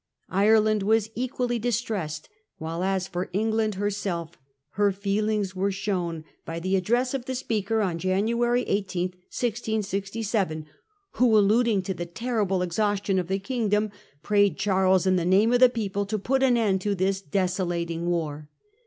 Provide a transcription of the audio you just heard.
Ireland was equally distressed ; while, as for England herself, her feelings were shown by the address of the Speaker on January 18, 1667, who, alluding to the terrible exhaustion of the kingdom, prayed Charles in the name of the people to put an end to this desolating war.